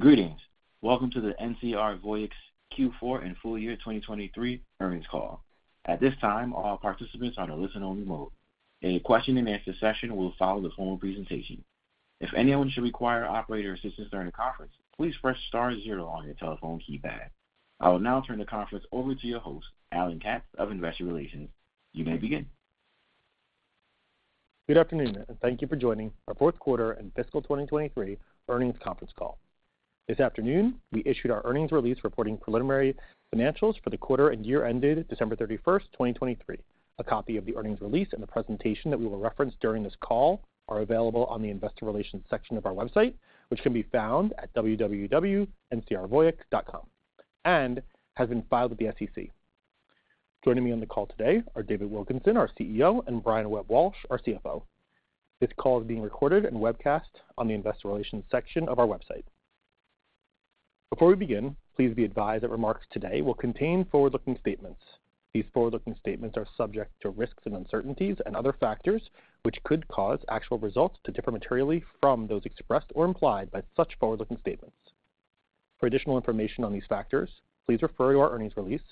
Greetings. Welcome to the NCR Voyix Q4 and full year 2023 earnings call. At this time, all participants are on a listen-only mode. A question-and-answer session will follow the formal presentation. If anyone should require operator assistance during the conference, please press star zero on your telephone keypad. I will now turn the conference over to your host, Alan Katz of Investor Relations. You may begin. Good afternoon and thank you for joining our fourth quarter and fiscal 2023 earnings conference call. This afternoon, we issued our earnings release reporting preliminary financials for the quarter and year ended December 31, 2023. A copy of the earnings release and the presentation that we will reference during this call are available on the Investor Relations section of our website, which can be found at www.ncrvoyix.com, and has been filed with the SEC. Joining me on the call today are David Wilkinson, our CEO, and Brian Webb-Walsh, our CFO. This call is being recorded and webcast on the Investor Relations section of our website. Before we begin, please be advised that remarks today will contain forward-looking statements. These forward-looking statements are subject to risks and uncertainties and other factors which could cause actual results to differ materially from those expressed or implied by such forward-looking statements. For additional information on these factors, please refer to our earnings release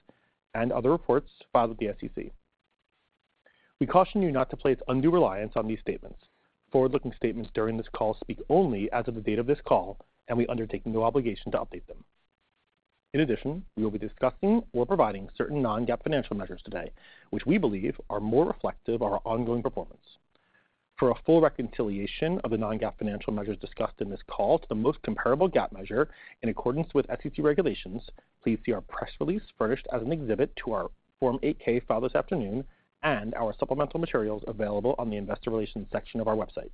and other reports filed with the SEC. We caution you not to place undue reliance on these statements. Forward-looking statements during this call speak only as of the date of this call, and we undertake no obligation to update them. In addition, we will be discussing or providing certain non-GAAP financial measures today, which we believe are more reflective of our ongoing performance. For a full reconciliation of the non-GAAP financial measures discussed in this call to the most comparable GAAP measure in accordance with SEC regulations, please see our press release furnished as an exhibit to our Form 8-K filed this afternoon and our supplemental materials available on the Investor Relations section of our website.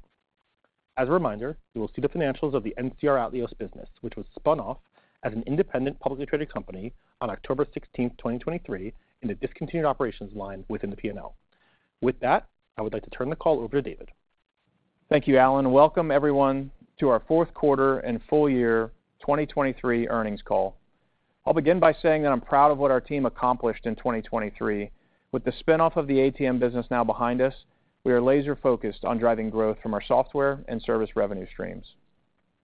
As a reminder, you will see the financials of the NCR Atleos business, which was spun off as an independent publicly traded company on October 16, 2023, in a discontinued operations line within the P&L. With that, I would like to turn the call over to David. Thank you, Alan. Welcome, everyone, to our fourth quarter and full year 2023 earnings call. I'll begin by saying that I'm proud of what our team accomplished in 2023. With the spinoff of the ATM business now behind us, we are laser-focused on driving growth from our Software and Service revenue streams.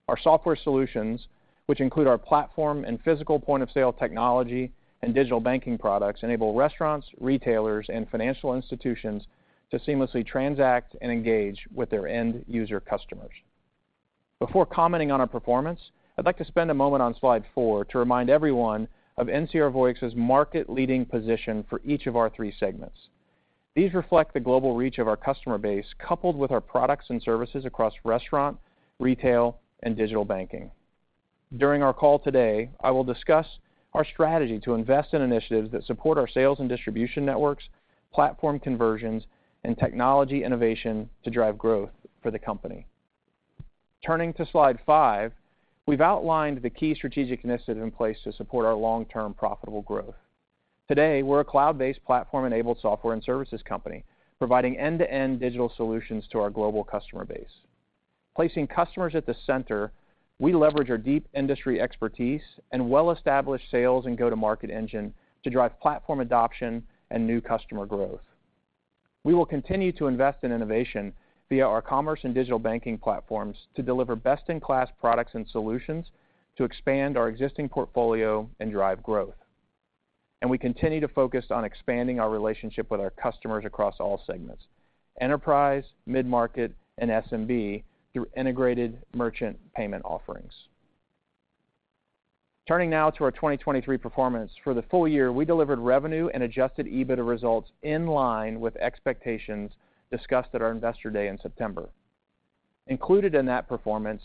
Our software solutions, which include our platform and physical point-of-sale technology and digital banking products, enable restaurants, retailers, and financial institutions to seamlessly transact and engage with their end user customers. Before commenting on our performance, I'd like to spend a moment on slide four to remind everyone of NCR Voyix's market-leading position for each of our three segments. These reflect the global reach of our customer base coupled with our products and services across Restaurant, Retail, and Digital Banking. During our call today, I will discuss our strategy to invest in initiatives that support our sales and distribution networks, platform conversions, and technology innovation to drive growth for the company. Turning to slide five, we've outlined the key strategic initiative in place to support our long-term profitable growth. Today, we're a cloud-based platform-enabled software and services company providing end-to-end digital solutions to our global customer base. Placing customers at the center, we leverage our deep industry expertise and well-established sales and go-to-market engine to drive platform adoption and new customer growth. We will continue to invest in innovation via our commerce and digital banking platforms to deliver best-in-class products and solutions to expand our existing portfolio and drive growth. We continue to focus on expanding our relationship with our customers across all segments: enterprise, mid-market, and SMB through integrated merchant payment offerings. Turning now to our 2023 performance. For the full year, we delivered revenue and adjusted EBITDA results in line with expectations discussed at our Investor Day in September. Included in that performance,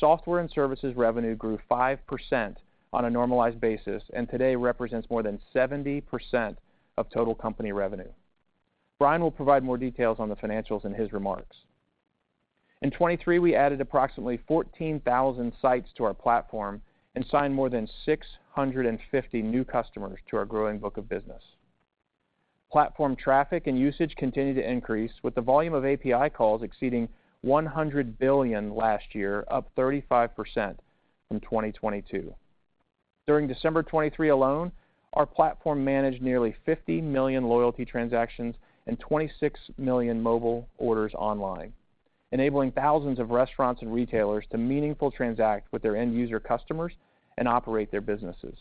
Software and Services revenue grew 5% on a normalized basis and today represents more than 70% of total company revenue. Brian will provide more details on the financials in his remarks. In 2023, we added approximately 14,000 sites to our platform and signed more than 650 new customers to our growing book of business. Platform traffic and usage continue to increase, with the volume of API calls exceeding 100 billion last year, up 35% from 2022. During December 2023 alone, our platform managed nearly 50 million loyalty transactions and 26 million mobile orders online, enabling thousands of restaurants and retailers to meaningfully transact with their end user customers and operate their businesses.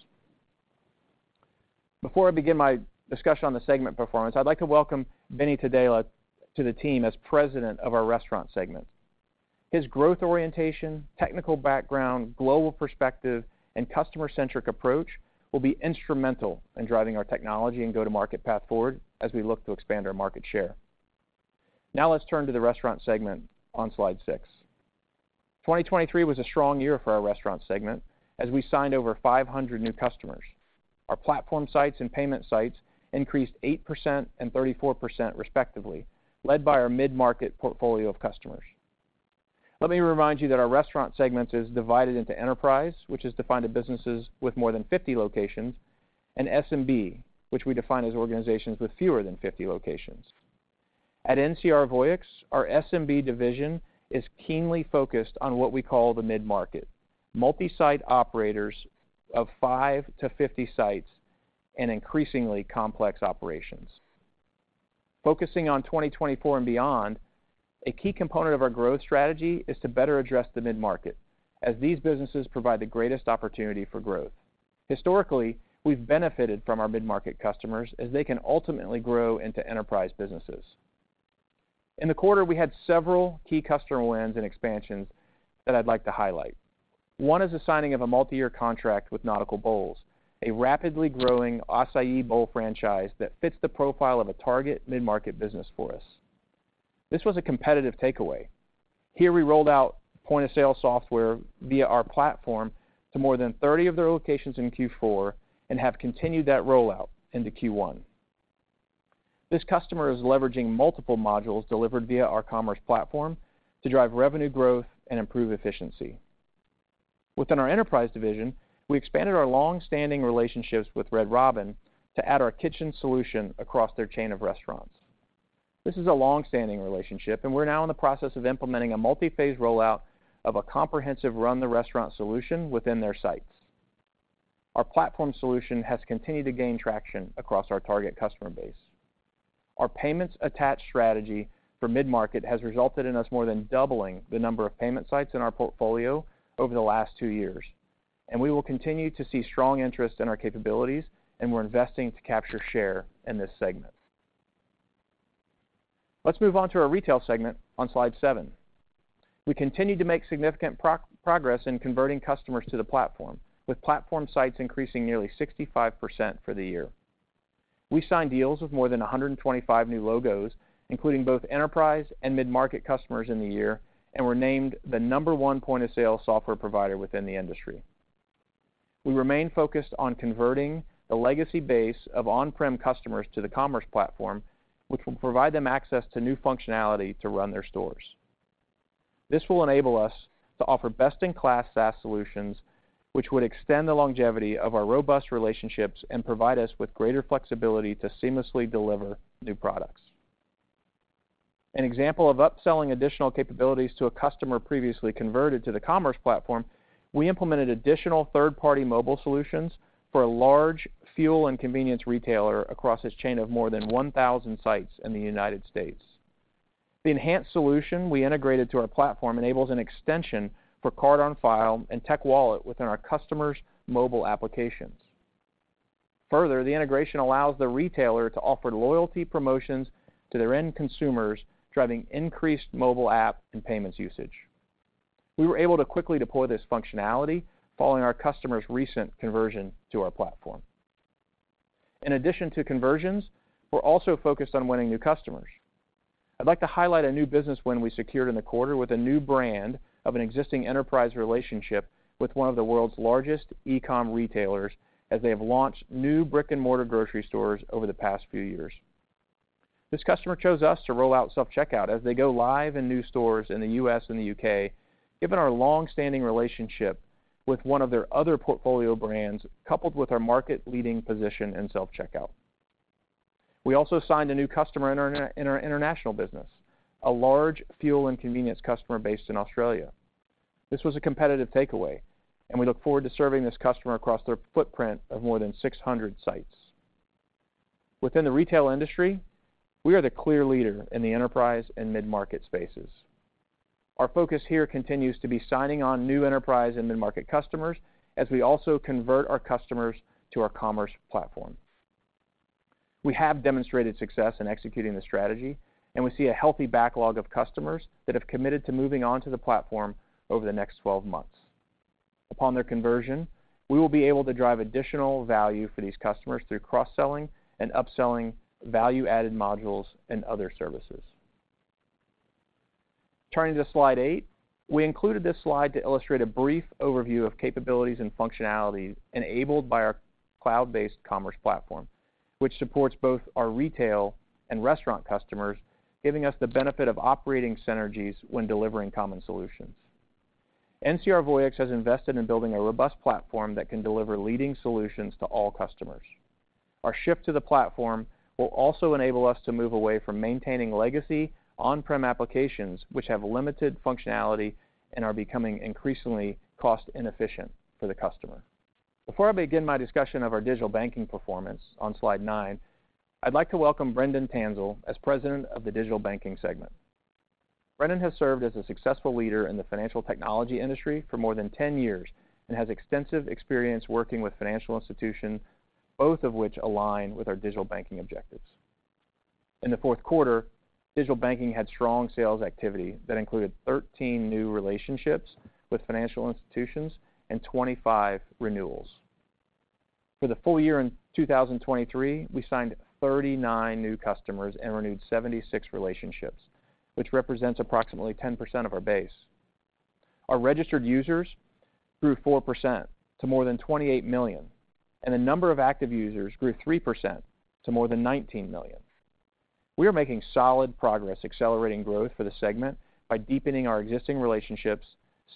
Before I begin my discussion on the segment performance, I'd like to welcome Benny Tadele to the team as president of our Restaurant segment. His growth orientation, technical background, global perspective, and customer-centric approach will be instrumental in driving our technology and go-to-market path forward as we look to expand our market share. Now let's turn to the Restaurant segment on slide six. 2023 was a strong year for our restaurant segment as we signed over 500 new customers. Our platform sites and payment sites increased 8% and 34%, respectively, led by our mid-market portfolio of customers. Let me remind you that our restaurant segment is divided into enterprise, which is defined as businesses with more than 50 locations, and SMB, which we define as organizations with fewer than 50 locations. At NCR Voyix, our SMB division is keenly focused on what we call the mid-market: multi-site operators of five to 50 sites and increasingly complex operations. Focusing on 2024 and beyond, a key component of our growth strategy is to better address the mid-market as these businesses provide the greatest opportunity for growth. Historically, we've benefited from our mid-market customers as they can ultimately grow into enterprise businesses. In the quarter, we had several key customer wins and expansions that I'd like to highlight. One is the signing of a multi-year contract with Nautical Bowls, a rapidly growing açaí bowl franchise that fits the profile of a target mid-market business for us. This was a competitive takeaway. Here, we rolled out point-of-sale software via our platform to more than 30 of their locations in Q4 and have continued that rollout into Q1. This customer is leveraging multiple modules delivered via our commerce platform to drive revenue growth and improve efficiency. Within our enterprise division, we expanded our longstanding relationships with Red Robin to add our kitchen solution across their chain of restaurants. This is a longstanding relationship, and we're now in the process of implementing a multi-phase rollout of a comprehensive run-the-restaurant solution within their sites. Our platform solution has continued to gain traction across our target customer base. Our payments-attached strategy for mid-market has resulted in us more than doubling the number of payment sites in our portfolio over the last two years, and we will continue to see strong interest in our capabilities, and we're investing to capture share in this segment. Let's move on to our Retail segment on slide seven. We continue to make significant progress in converting customers to the platform, with platform sites increasing nearly 65% for the year. We signed deals with more than 125 new logos, including both enterprise and mid-market customers in the year, and were named the number one point-of-sale software provider within the industry. We remain focused on converting the legacy base of on-prem customers to the commerce platform, which will provide them access to new functionality to run their stores. This will enable us to offer best-in-class SaaS solutions, which would extend the longevity of our robust relationships and provide us with greater flexibility to seamlessly deliver new products. An example of upselling additional capabilities to a customer previously converted to the commerce platform: we implemented additional third-party mobile solutions for a large fuel and convenience retailer across his chain of more than 1,000 sites in the United States. The enhanced solution we integrated to our platform enables an extension for card-on-file and tech wallet within our customer's mobile applications. Further, the integration allows the retailer to offer loyalty promotions to their end consumers, driving increased mobile app and payments usage. We were able to quickly deploy this functionality following our customer's recent conversion to our platform. In addition to conversions, we're also focused on winning new customers. I'd like to highlight a new business win we secured in the quarter with a new brand of an existing enterprise relationship with one of the world's largest e-commerce retailers as they have launched new brick-and-mortar grocery stores over the past few years. This customer chose us to roll out self-checkout as they go live in new stores in the U.S. and the U.K., given our longstanding relationship with one of their other portfolio brands, coupled with our market-leading position in self-checkout. We also signed a new customer in our international business, a large fuel and convenience customer based in Australia. This was a competitive takeaway, and we look forward to serving this customer across their footprint of more than 600 sites. Within the retail industry, we are the clear leader in the enterprise and mid-market spaces. Our focus here continues to be signing on new enterprise and mid-market customers as we also convert our customers to our commerce platform. We have demonstrated success in executing the strategy, and we see a healthy backlog of customers that have committed to moving onto the platform over the next 12 months. Upon their conversion, we will be able to drive additional value for these customers through cross-selling and upselling value-added modules and other services. Turning to slide eight, we included this slide to illustrate a brief overview of capabilities and functionality enabled by our cloud-based commerce platform, which supports both our retail and restaurant customers, giving us the benefit of operating synergies when delivering common solutions. NCR Voyix has invested in building a robust platform that can deliver leading solutions to all customers. Our shift to the platform will also enable us to move away from maintaining legacy on-prem applications, which have limited functionality and are becoming increasingly cost-inefficient for the customer. Before I begin my discussion of our Digital Banking performance on slide nine, I'd like to welcome Brendan Tansill as President of the Digital Banking segment. Brendan has served as a successful leader in the financial technology industry for more than 10 years and has extensive experience working with financial institutions, both of which align with our digital banking objectives. In the fourth quarter, Digital Banking had strong sales activity that included 13 new relationships with financial institutions and 25 renewals. For the full year in 2023, we signed 39 new customers and renewed 76 relationships, which represents approximately 10% of our base. Our registered users grew 4% to more than 28 million, and the number of active users grew 3% to more than 19 million. We are making solid progress accelerating growth for the segment by deepening our existing relationships,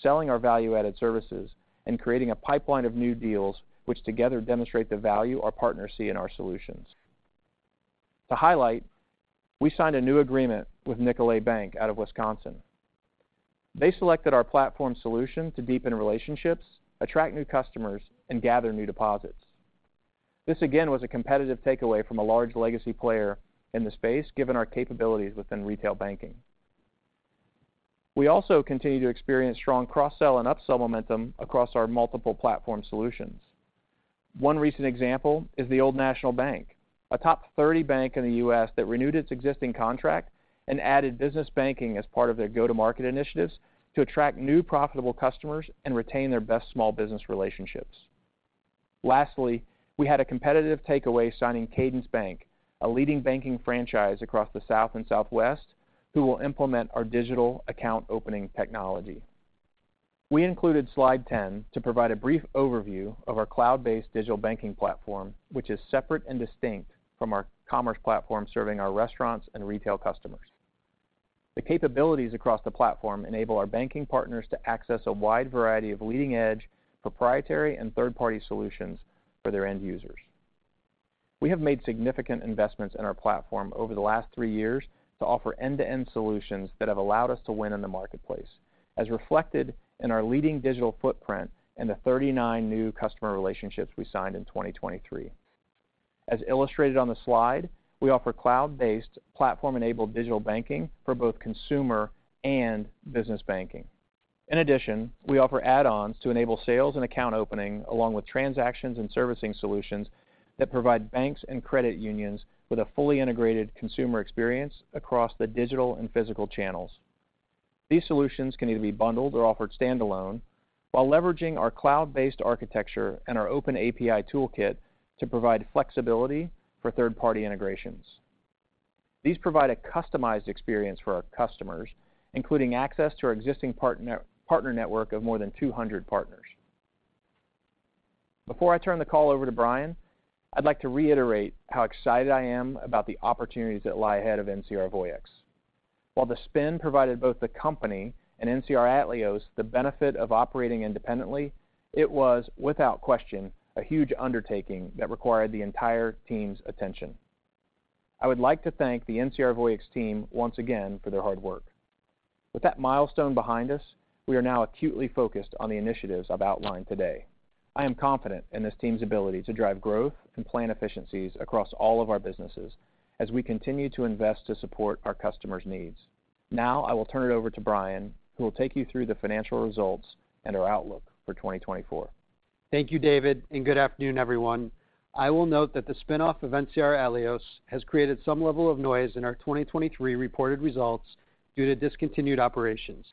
selling our value-added services, and creating a pipeline of new deals, which together demonstrate the value our partners see in our solutions. To highlight, we signed a new agreement with Nicolet Bank out of Wisconsin. They selected our platform solution to deepen relationships, attract new customers, and gather new deposits. This, again, was a competitive takeaway from a large legacy player in the space, given our capabilities within retail banking. We also continue to experience strong cross-sell and upsell momentum across our multiple platform solutions. One recent example is the Old National Bank, a top 30 bank in the U.S. that renewed its existing contract and added business banking as part of their go-to-market initiatives to attract new profitable customers and retain their best small business relationships. Lastly, we had a competitive takeaway signing Cadence Bank, a leading banking franchise across the south and southwest, who will implement our digital account opening technology. We included slide 10 to provide a brief overview of our cloud-based digital banking platform, which is separate and distinct from our commerce platform serving our restaurants and retail customers. The capabilities across the platform enable our banking partners to access a wide variety of leading-edge, proprietary, and third-party solutions for their end users. We have made significant investments in our platform over the last three years to offer end-to-end solutions that have allowed us to win in the marketplace, as reflected in our leading digital footprint and the 39 new customer relationships we signed in 2023. As illustrated on the slide, we offer cloud-based, platform-enabled digital banking for both consumer and business banking. In addition, we offer add-ons to enable sales and account opening, along with transactions and servicing solutions that provide banks and credit unions with a fully integrated consumer experience across the digital and physical channels. These solutions can either be bundled or offered standalone, while leveraging our cloud-based architecture and our open API toolkit to provide flexibility for third-party integrations. These provide a customized experience for our customers, including access to our existing partner network of more than 200 partners. Before I turn the call over to Brian, I'd like to reiterate how excited I am about the opportunities that lie ahead of NCR Voyix. While the spin provided both the company and NCR Atleos the benefit of operating independently, it was, without question, a huge undertaking that required the entire team's attention. I would like to thank the NCR Voyix team once again for their hard work. With that milestone behind us, we are now acutely focused on the initiatives I've outlined today. I am confident in this team's ability to drive growth and plan efficiencies across all of our businesses as we continue to invest to support our customers' needs. Now I will turn it over to Brian, who will take you through the financial results and our outlook for 2024. Thank you, David, and good afternoon, everyone. I will note that the spinoff of NCR Atleos has created some level of noise in our 2023 reported results due to discontinued operations.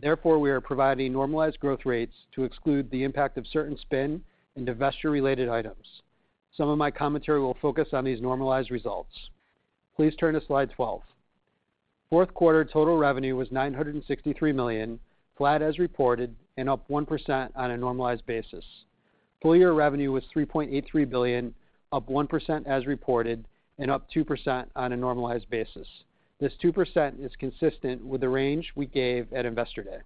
Therefore, we are providing normalized growth rates to exclude the impact of certain spin and investor-related items. Some of my commentary will focus on these normalized results. Please turn to slide 12. Fourth quarter total revenue was $963 million, flat as reported, and up 1% on a normalized basis. Full year revenue was $3.83 billion, up 1% as reported, and up 2% on a normalized basis. This 2% is consistent with the range we gave at Investor Day.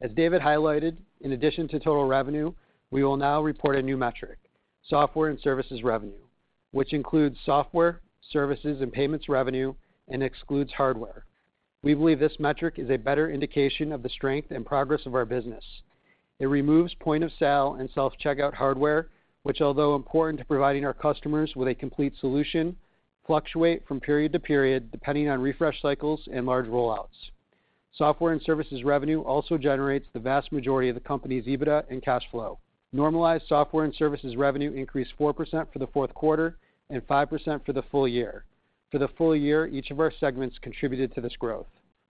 As David highlighted, in addition to total revenue, we will now report a new metric: Software and Services revenue, which includes software, services, and payments revenue and excludes hardware. We believe this metric is a better indication of the strength and progress of our business. It removes point-of-sale and self-checkout hardware, which, although important to providing our customers with a complete solution, fluctuate from period to period depending on refresh cycles and large rollouts. Software and Services revenue also generates the vast majority of the company's EBITDA and cash flow. Normalized Software and Services revenue increased 4% for the fourth quarter and 5% for the full year. For the full year, each of our segments contributed to this growth.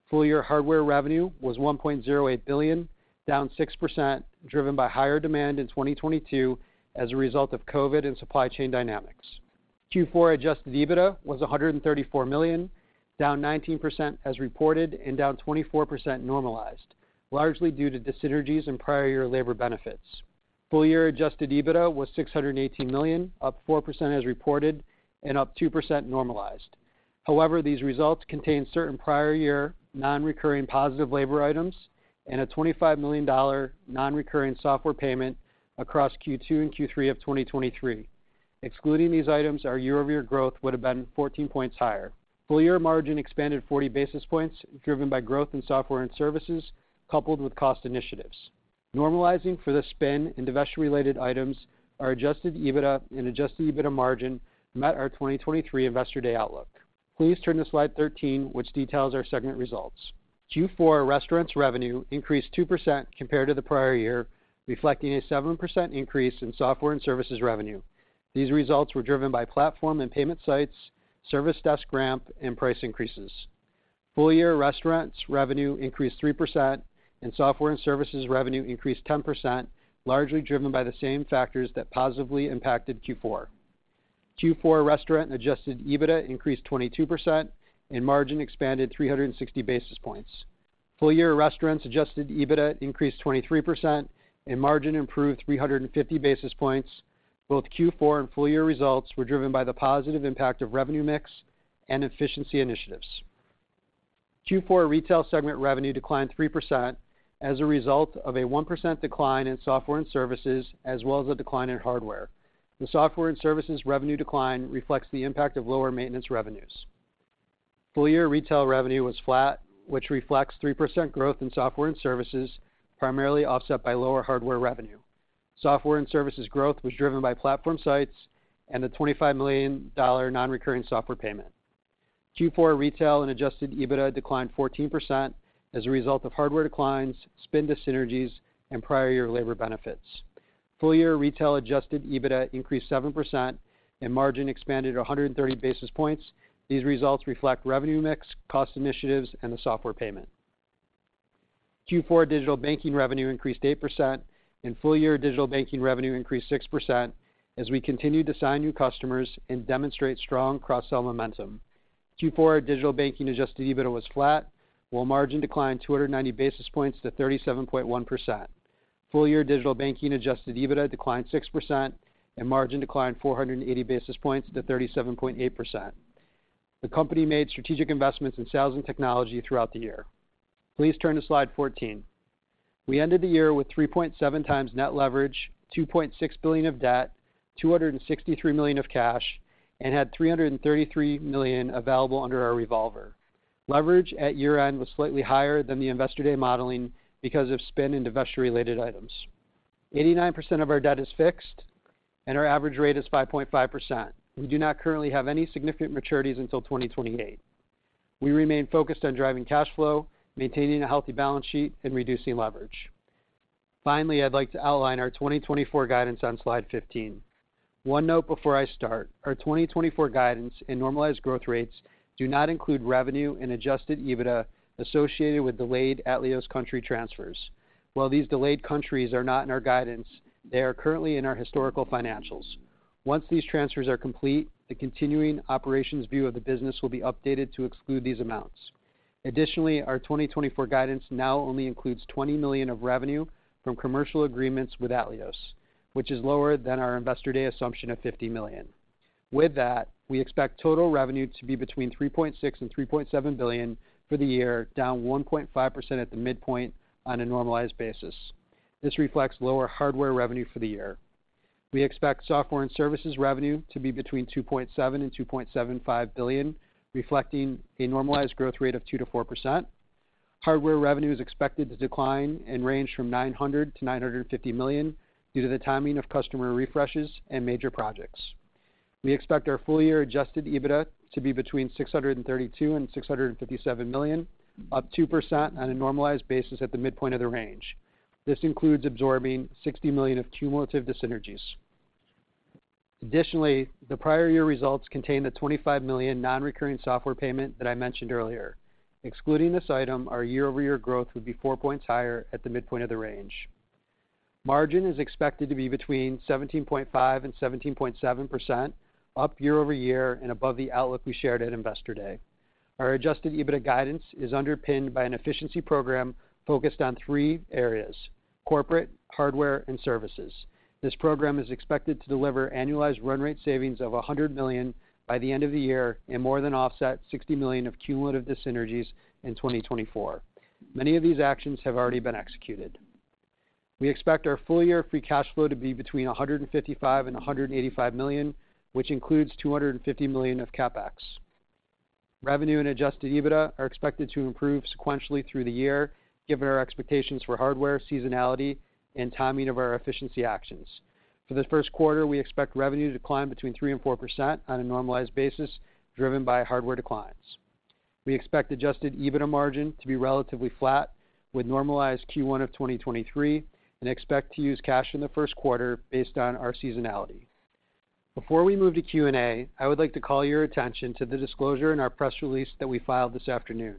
Full year Hardware revenue was $1.08 billion, down 6%, driven by higher demand in 2022 as a result of COVID and supply chain dynamics. Q4 adjusted EBITDA was $134 million, down 19% as reported, and down 24% normalized, largely due to dis-synergies and prior year labor benefits. Full year adjusted EBITDA was $618 million, up 4% as reported, and up 2% normalized. However, these results contain certain prior year non-recurring positive labor items and a $25 million non-recurring software payment across Q2 and Q3 of 2023. Excluding these items, our year-over-year growth would have been 14 points higher. Full year margin expanded 40 basis points, driven by growth in Software and Services coupled with cost initiatives. Normalizing for the spin and investor-related items, our adjusted EBITDA and adjusted EBITDA margin met our 2023 Investor Day outlook. Please turn to slide 13, which details our segment results. Q4 Restaurants revenue increased 2% compared to the prior year, reflecting a 7% increase in Software and Services revenue. These results were driven by platform and payment sites, service desk ramp, and price increases. Full year Restaurants revenue increased 3%, and Software and Services revenue increased 10%, largely driven by the same factors that positively impacted Q4. Q4 restaurant adjusted EBITDA increased 22%, and margin expanded 360 basis points. Full year Restaurants adjusted EBITDA increased 23%, and margin improved 350 basis points. Both Q4 and full year results were driven by the positive impact of revenue mix and efficiency initiatives. Q4 Retail segment revenue declined 3% as a result of a 1% decline in Software and Services, as well as a decline in Hardware. The Software and Services revenue decline reflects the impact of lower maintenance revenues. Full year Retail revenue was flat, which reflects 3% growth in Software and Services, primarily offset by lower Hardware revenue. Software and Services growth was driven by platform sites and the $25 million non-recurring software payment. Q4 Retail adjusted EBITDA declined 14% as a result of hardware declines, spin dis-synergies, and prior year labor benefits. Full year Retail adjusted EBITDA increased 7%, and margin expanded 130 basis points. These results reflect revenue mix, cost initiatives, and the software payment. Q4 Digital Banking revenue increased 8%, and full year Digital Banking revenue increased 6% as we continue to sign new customers and demonstrate strong cross-sell momentum. Q4 Digital Banking adjusted EBITDA was flat, while margin declined 290 basis points to 37.1%. Full year Digital Banking adjusted EBITDA declined 6%, and margin declined 480 basis points to 37.8%. The company made strategic investments in sales and technology throughout the year. Please turn to slide 14. We ended the year with 3.7x net leverage, $2.6 billion of debt, $263 million of cash, and had $333 million available under our revolver. Leverage at year end was slightly higher than the Investor Day modeling because of spin and investor-related items. 89% of our debt is fixed, and our average rate is 5.5%. We do not currently have any significant maturities until 2028. We remain focused on driving cash flow, maintaining a healthy balance sheet, and reducing leverage. Finally, I'd like to outline our 2024 guidance on slide 15. One note before I start: our 2024 guidance and normalized growth rates do not include revenue and adjusted EBITDA associated with delayed Atleos country transfers. While these delayed countries are not in our guidance, they are currently in our historical financials. Once these transfers are complete, the continuing operations view of the business will be updated to exclude these amounts. Additionally, our 2024 guidance now only includes $20 million of revenue from commercial agreements with Atleos, which is lower than our Investor Day assumption of $50 million. With that, we expect total revenue to be between $3.6 billion and $3.7 billion for the year, down 1.5% at the midpoint on a normalized basis. This reflects lower Hardware revenue for the year. We expect Software and Services revenue to be between $2.7 billion and $2.75 billion, reflecting a normalized growth rate of 2%-4%. Hardware revenue is expected to decline and range from $900 million-$950 million due to the timing of customer refreshes and major projects. We expect our full year adjusted EBITDA to be between $632 million and $657 million, up 2% on a normalized basis at the midpoint of the range. This includes absorbing $60 million of cumulative dis-synergies. Additionally, the prior year results contain the $25 million non-recurring software payment that I mentioned earlier. Excluding this item, our year-over-year growth would be 4 points higher at the midpoint of the range. Margin is expected to be between 17.5%-17.7%, up year over year and above the outlook we shared at Investor Day. Our adjusted EBITDA guidance is underpinned by an efficiency program focused on three areas: corporate, hardware, and services. This program is expected to deliver annualized run rate savings of $100 million by the end of the year and more than offset $60 million of cumulative dis-synergies in 2024. Many of these actions have already been executed. We expect our full year free cash flow to be between $155 million-$185 million, which includes $250 million of CapEx. Revenue and adjusted EBITDA are expected to improve sequentially through the year, given our expectations for Hardware, seasonality, and timing of our efficiency actions. For the first quarter, we expect revenue to decline between 3%-4% on a normalized basis, driven by Hardware declines. We expect adjusted EBITDA margin to be relatively flat with normalized Q1 of 2023 and expect to use cash in the first quarter based on our seasonality. Before we move to Q&A, I would like to call your attention to the disclosure in our press release that we filed this afternoon.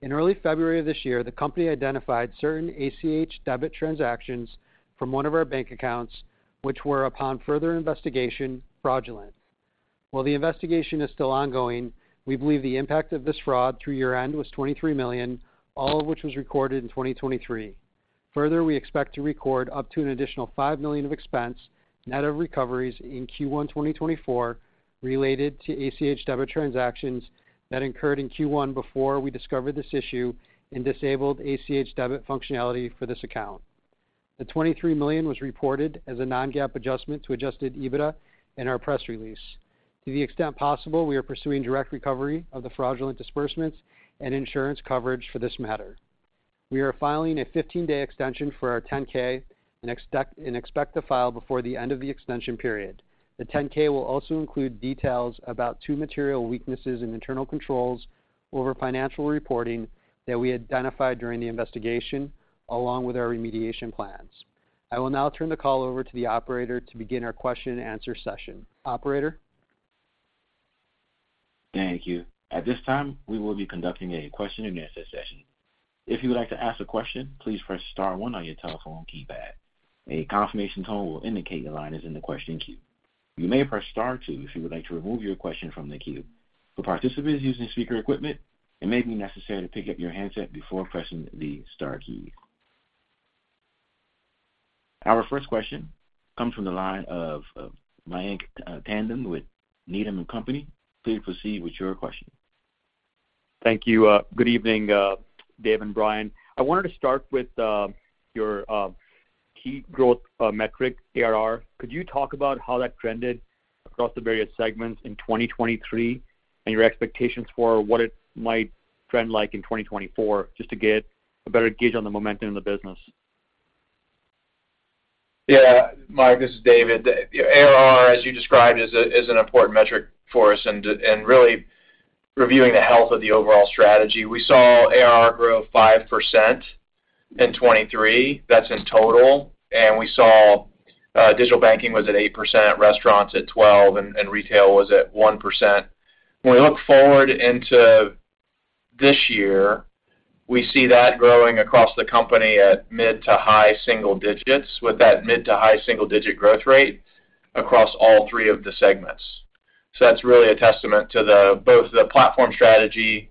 In early February of this year, the company identified certain ACH debit transactions from one of our bank accounts, which were, upon further investigation, fraudulent. While the investigation is still ongoing, we believe the impact of this fraud through year end was $23 million, all of which was recorded in 2023. Further, we expect to record up to an additional $5 million of expense net of recoveries in Q1 2024 related to ACH debit transactions that occurred in Q1 before we discovered this issue and disabled ACH debit functionality for this account. The $23 million was reported as a non-GAAP adjustment to adjusted EBITDA in our press release. To the extent possible, we are pursuing direct recovery of the fraudulent disbursements and insurance coverage for this matter. We are filing a 15-day extension for our 10-K and expect to file before the end of the extension period. The 10-K will also include details about two material weaknesses in internal controls over financial reporting that we identified during the investigation, along with our remediation plans. I will now turn the call over to the operator to begin our question-and-answer session. Operator? Thank you. At this time, we will be conducting a question-and-answer session. If you would like to ask a question, please press star one on your telephone keypad. A confirmation tone will indicate your line is in the question queue. You may press star two if you would like to remove your question from the queue. For participants using speaker equipment, it may be necessary to pick up your handset before pressing the star key. Our first question comes from the line of Mayank Tandon with Needham & Company. Please proceed with your question. Thank you. Good evening, David and Brian. I wanted to start with your key growth metric, ARR. Could you talk about how that trended across the various segments in 2023 and your expectations for what it might trend like in 2024, just to get a better gauge on the momentum in the business? Yeah, Mayank, this is David. ARR, as you described, is an important metric for us in really reviewing the health of the overall strategy. We saw ARR grow 5% in 2023. That's in total. And we saw digital banking was at 8%, restaurants at 12%, and retail was at 1%. When we look forward into this year, we see that growing across the company at mid to high single digits, with that mid to high single digit growth rate across all three of the segments. So that's really a testament to both the platform strategy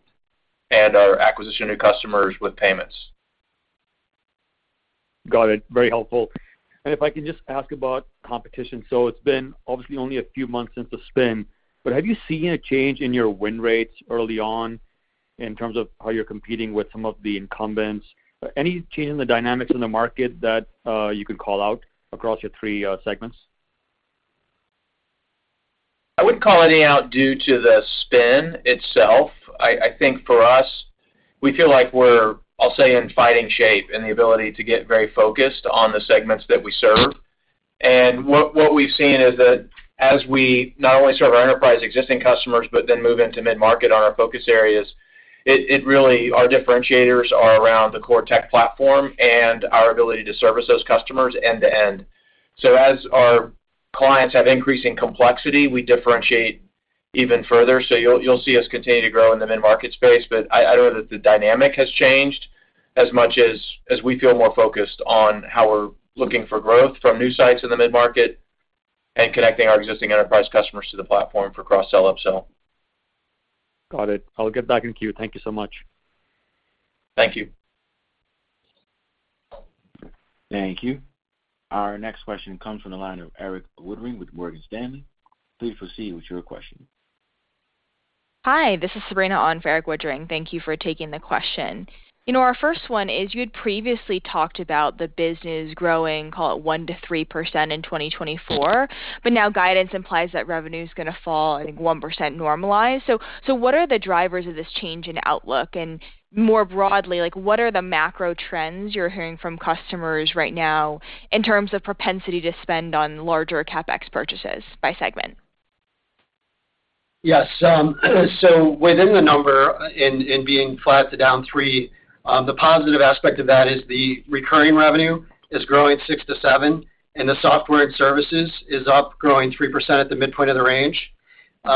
and our acquisition of new customers with payments. Got it. Very helpful. And if I can just ask about competition. So it's been obviously only a few months since the spin, but have you seen a change in your win rates early on in terms of how you're competing with some of the incumbents? Any change in the dynamics in the market that you could call out across your three segments? I wouldn't call any out due to the spin itself. I think for us, we feel like we're, I'll say, in fighting shape and the ability to get very focused on the segments that we serve. And what we've seen is that as we not only serve our enterprise existing customers but then move into mid-market on our focus areas, our differentiators are around the core tech platform and our ability to service those customers end to end. So as our clients have increasing complexity, we differentiate even further. So you'll see us continue to grow in the mid-market space, but I don't know that the dynamic has changed as much as we feel more focused on how we're looking for growth from new sites in the mid-market and connecting our existing enterprise customers to the platform for cross-sell upsell. Got it. I'll get back in queue. Thank you so much. Thank you. Thank you. Our next question comes from the line of Eric Woodring with Morgan Stanley. Please proceed with your question. Hi, this is Sabrina on for Eric Woodring. Thank you for taking the question. Our first one is you had previously talked about the business growing, call it 1%-3% in 2024, but now guidance implies that revenue is going to fall, I think, 1% normalized. So what are the drivers of this change in outlook? And more broadly, what are the macro trends you're hearing from customers right now in terms of propensity to spend on larger CapEx purchases by segment? Yes. So within the number and being flat to down 3%, the positive aspect of that is the recurring revenue is growing 6%-7%, and the Software and Services is up, growing 3% at the midpoint of the range.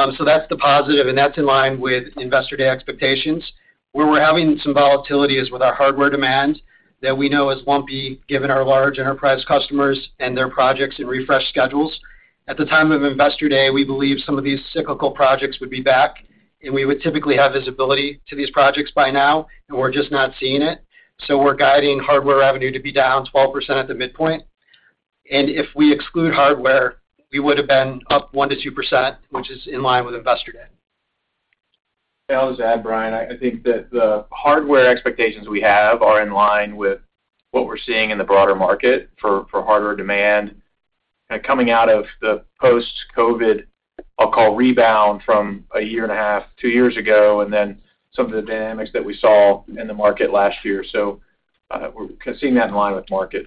So that's the positive, and that's in line with Investor Day expectations. Where we're having some volatility is with our Hardware demand that we know is lumpy given our large enterprise customers and their projects and refresh schedules. At the time of Investor Day, we believe some of these cyclical projects would be back, and we would typically have visibility to these projects by now, and we're just not seeing it. So we're guiding hardware revenue to be down 12% at the midpoint. And if we exclude hardware, we would have been up 1%-2%, which is in line with Investor Day. I'll just add, Brian. I think that the Hardware expectations we have are in line with what we're seeing in the broader market for hardware demand kind of coming out of the post-COVID, I'll call, rebound from a year and a half, two years ago, and then some of the dynamics that we saw in the market last year. So we're seeing that in line with market.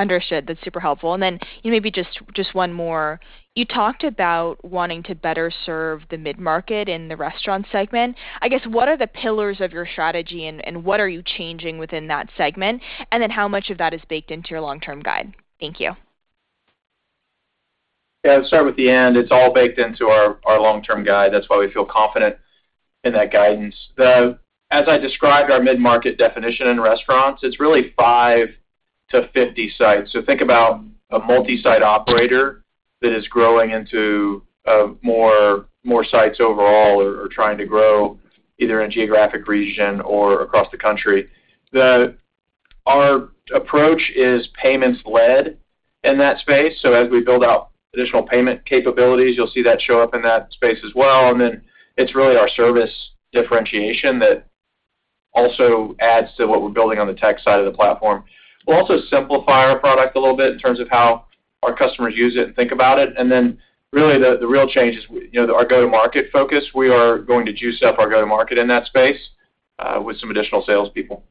Understood. That's super helpful. And then maybe just one more. You talked about wanting to better serve the mid-market in the Restaurant segment. I guess what are the pillars of your strategy, and what are you changing within that segment? And then how much of that is baked into your long-term guide? Thank you. Yeah, I'll start with the end. It's all baked into our long-term guide. That's why we feel confident in that guidance. As I described our mid-market definition in Restaurants, it's really 5-50 sites. So think about a multi-site operator that is growing into more sites overall or trying to grow either in a geographic region or across the country. Our approach is payments-led in that space. So as we build out additional payment capabilities, you'll see that show up in that space as well. And then it's really our service differentiation that also adds to what we're building on the tech side of the platform. We'll also simplify our product a little bit in terms of how our customers use it and think about it. And then really, the real change is our go-to-market focus. We are going to juice up our go-to-market in that space with some additional salespeople.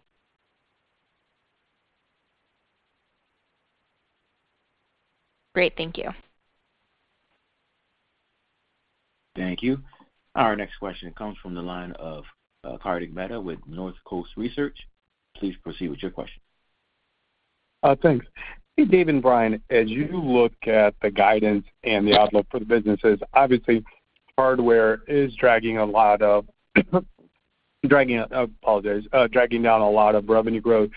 Great. Thank you. Thank you. Our next question comes from the line of Kartik Mehta with North Coast Research. Please proceed with your question. Thanks. Hey, David and Brian. As you look at the guidance and the outlook for the businesses, obviously, Hardware is dragging a lot of I apologize, dragging down a lot of revenue growth.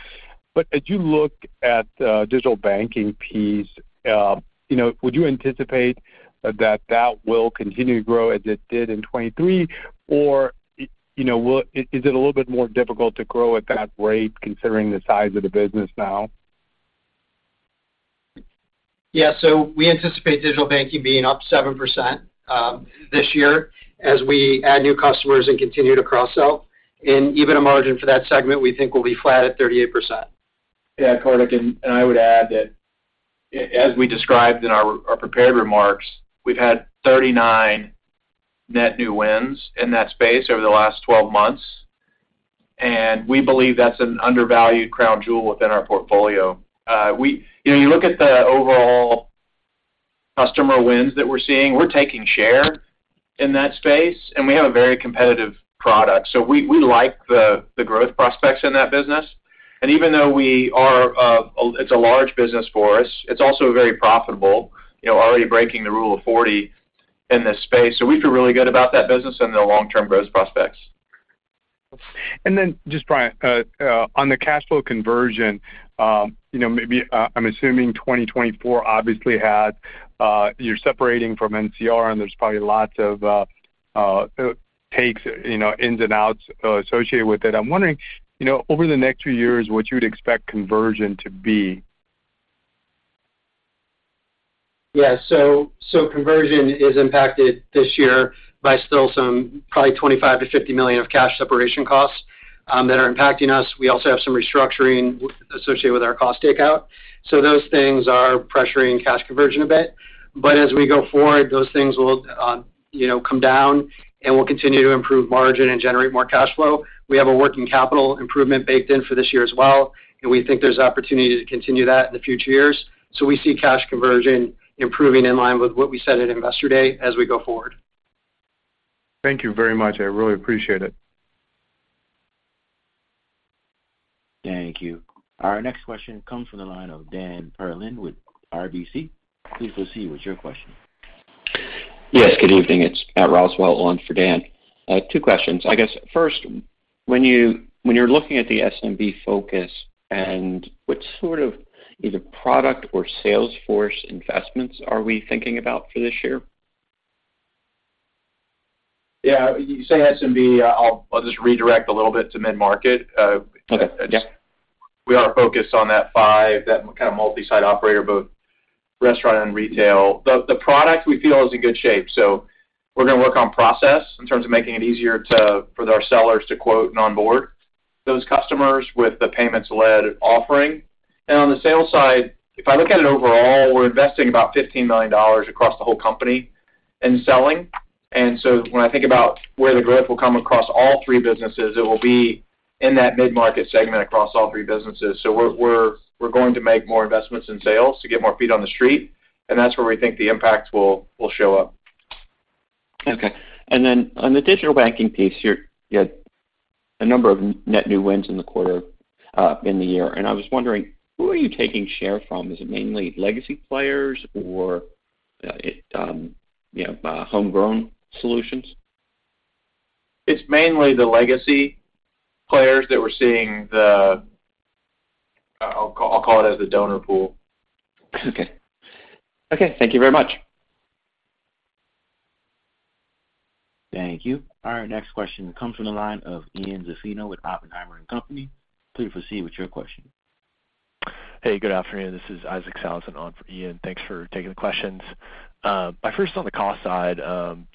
But as you look at the Digital Banking piece, would you anticipate that that will continue to grow as it did in 2023, or is it a little bit more difficult to grow at that rate considering the size of the business now? Yeah. So we anticipate Digital Banking being up 7% this year as we add new customers and continue to cross-sell. Even a margin for that segment, we think, will be flat at 38%. Yeah, Kartik. I would add that as we described in our prepared remarks, we've had 39 net new wins in that space over the last 12 months. We believe that's an undervalued crown jewel within our portfolio. You look at the overall customer wins that we're seeing, we're taking share in that space, and we have a very competitive product. We like the growth prospects in that business. Even though it's a large business for us, it's also very profitable, already breaking the Rule of 40 in this space. We feel really good about that business and the long-term growth prospects. And then just, Brian, on the cash flow conversion, maybe I'm assuming 2024 obviously had you're separating from NCR, and there's probably lots of takes, ins and outs associated with it. I'm wondering, over the next few years, what you would expect conversion to be? Yeah. So conversion is impacted this year by still some probably $25 million-$50 million of cash separation costs that are impacting us. We also have some restructuring associated with our cost takeout. So those things are pressuring cash conversion a bit. But as we go forward, those things will come down, and we'll continue to improve margin and generate more cash flow. We have a working capital improvement baked in for this year as well, and we think there's opportunity to continue that in the future years. So we see cash conversion improving in line with what we said at Investor Day as we go forward. Thank you very much. I really appreciate it. Thank you. Our next question comes from the line of Dan Perlin with RBC. Please proceed with your question. Yes. Good evening. It's Matt Roswell on for Dan. Two questions. I guess first, when you're looking at the SMB focus, what sort of either product or sales force investments are we thinking about for this year? Yeah. You say SMB. I'll just redirect a little bit to mid-market. We are focused on that five, that kind of multi-site operator, both Restaurant and Retail. The product, we feel, is in good shape. So we're going to work on process in terms of making it easier for our sellers to quote and onboard those customers with the payments-led offering. And on the sales side, if I look at it overall, we're investing about $15 million across the whole company in selling. And so when I think about where the growth will come across all three businesses, it will be in that mid-market segment across all three businesses. So we're going to make more investments in sales to get more feet on the street, and that's where we think the impact will show up. Okay. And then on the Digital Banking piece, you had a number of net new wins in the quarter in the year. And I was wondering, who are you taking share from? Is it mainly legacy players or homegrown solutions? It's mainly the legacy players that we're seeing the, I'll call it, as the donor pool. Okay. Okay. Thank you very much. Thank you. Our next question comes from the line of Ian Zaffino with Oppenheimer & Company. Please proceed with your question. Hey, good afternoon. This is Isaac Sellhausen for Ian. Thanks for taking the questions. First, on the cost side,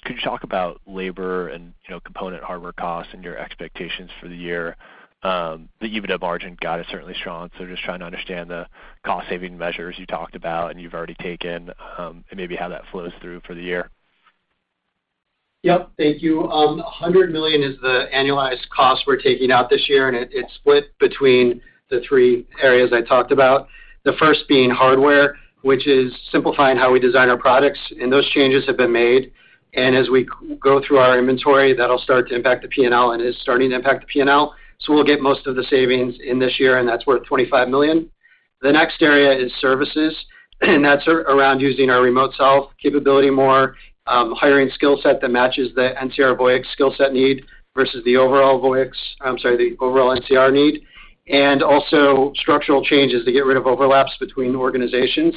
could you talk about labor and component hardware costs and your expectations for the year? The EBITDA margin got us certainly strong. So just trying to understand the cost-saving measures you talked about, and you've already taken and maybe how that flows through for the year. Yep. Thank you. $100 million is the annualized cost we're taking out this year, and it's split between the three areas I talked about, the first being Hardware, which is simplifying how we design our products. Those changes have been made. As we go through our inventory, that'll start to impact the P&L and is starting to impact the P&L. So we'll get most of the savings in this year, and that's worth $25 million. The next area is services, and that's around using our remote self-capability more, hiring skill set that matches the NCR Voyix skill set need versus the overall Voyix I'm sorry, the overall NCR need, and also structural changes to get rid of overlaps between organizations.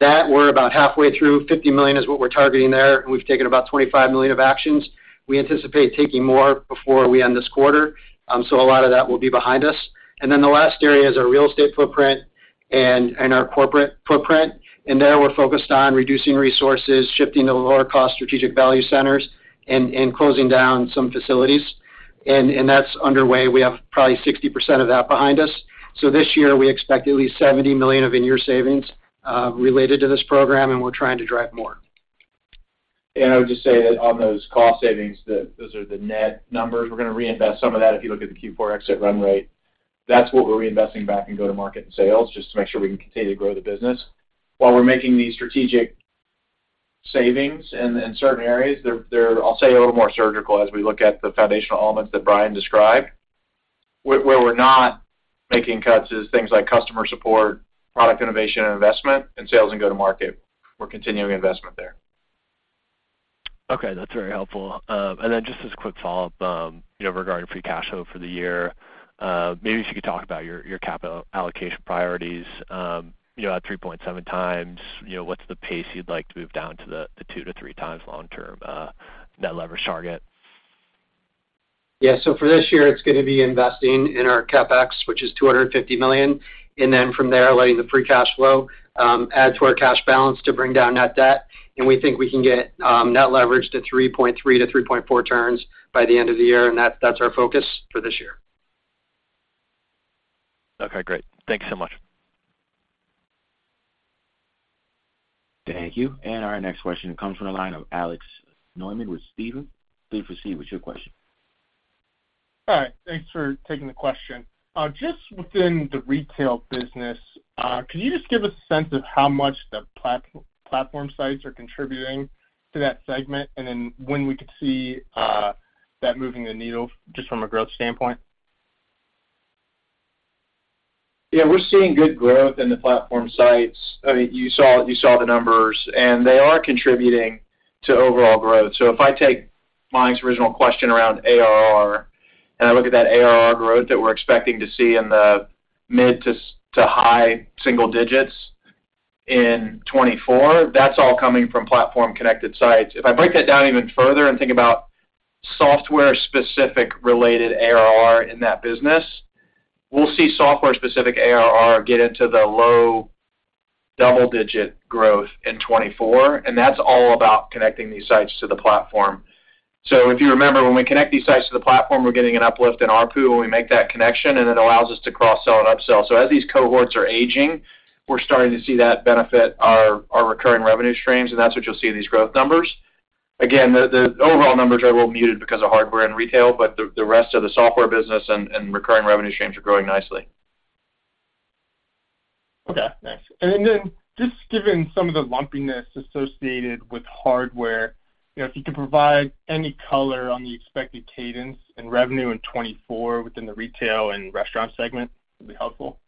That we're about halfway through. $50 million is what we're targeting there, and we've taken about $25 million of actions. We anticipate taking more before we end this quarter. So a lot of that will be behind us. And then the last area is our real estate footprint and our corporate footprint. And there we're focused on reducing resources, shifting to lower-cost strategic value centers, and closing down some facilities. And that's underway. We have probably 60% of that behind us. So this year, we expect at least $70 million of in-year savings related to this program, and we're trying to drive more. I would just say that on those cost savings, those are the net numbers. We're going to reinvest some of that if you look at the Q4 exit run rate. That's what we're reinvesting back in go-to-market and sales just to make sure we can continue to grow the business. While we're making these strategic savings in certain areas, they're, I'll say, a little more surgical as we look at the foundational elements that Brian described. Where we're not making cuts is things like customer support, product innovation and investment, and sales and go-to-market. We're continuing investment there. Okay. That's very helpful. And then just as a quick follow-up regarding free cash flow for the year, maybe if you could talk about your capital allocation priorities at 3.7x, what's the pace you'd like to move down to the 2x-3x long-term net leverage target? Yeah. So for this year, it's going to be investing in our CapEx, which is $250 million, and then from there, letting the free cash flow add to our cash balance to bring down net debt. And we think we can get net leverage to 3.3x-3.4x turns by the end of the year, and that's our focus for this year. Okay. Great. Thanks so much. Thank you. And our next question comes from the line of Alex Neumann with Stephens. Please proceed with your question. All right. Thanks for taking the question. Just within the retail business, could you just give us a sense of how much the platform sites are contributing to that segment and then when we could see that moving the needle just from a growth standpoint? Yeah. We're seeing good growth in the platform sites. I mean, you saw the numbers, and they are contributing to overall growth. So if I take Mike's original question around ARR and I look at that ARR growth that we're expecting to see in the mid to high single digits in 2024, that's all coming from platform-connected sites. If I break that down even further and think about software-specific related ARR in that business, we'll see software-specific ARR get into the low double-digit growth in 2024, and that's all about connecting these sites to the platform. So if you remember, when we connect these sites to the platform, we're getting an uplift in RPU when we make that connection, and it allows us to cross-sell and upsell. So as these cohorts are aging, we're starting to see that benefit our recurring revenue streams, and that's what you'll see in these growth numbers. Again, the overall numbers are a little muted because of hardware and retail, but the rest of the software business and recurring revenue streams are growing nicely. Okay. Nice. And then just given some of the lumpiness associated with Hardware, if you could provide any color on the expected cadence and revenue in 2024 within the Retail and Restaurant segment, it'd be helpful.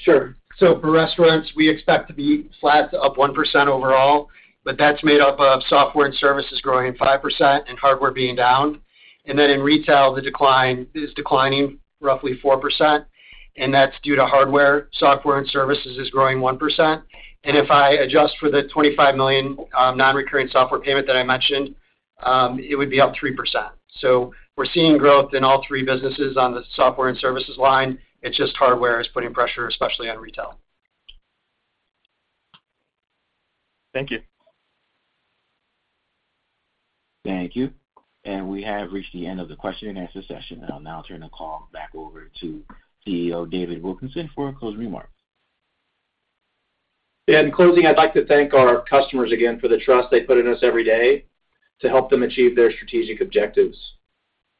Sure. So for Restaurants, we expect to be flat to up 1% overall, but that's made up of Software and Services growing 5% and Hardware being down. And then in Retail, the decline is declining roughly 4%, and that's due to Hardware. Software and Services is growing 1%. And if I adjust for the $25 million non-recurring software payment that I mentioned, it would be up 3%. So we're seeing growth in all three businesses on the Software and Services line. It's just Hardware is putting pressure, especially on Retail. Thank you. Thank you. We have reached the end of the question-and-answer session. I'll now turn the call back over to CEO David Wilkinson for a closing remark. In closing, I'd like to thank our customers again for the trust they put in us every day to help them achieve their strategic objectives.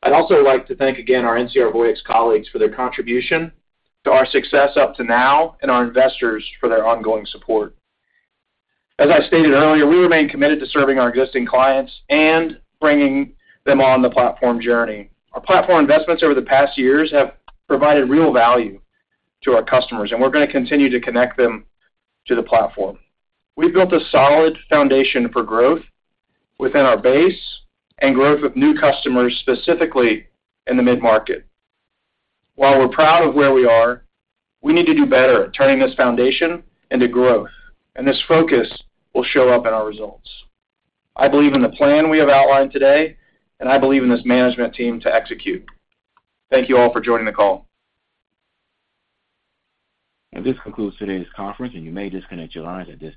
I'd also like to thank again our NCR Voyix colleagues for their contribution to our success up to now and our investors for their ongoing support. As I stated earlier, we remain committed to serving our existing clients and bringing them on the platform journey. Our platform investments over the past years have provided real value to our customers, and we're going to continue to connect them to the platform. We've built a solid foundation for growth within our base and growth of new customers, specifically in the mid-market. While we're proud of where we are, we need to do better at turning this foundation into growth, and this focus will show up in our results. I believe in the plan we have outlined today, and I believe in this management team to execute. Thank you all for joining the call. This concludes today's conference, and you may disconnect your lines at.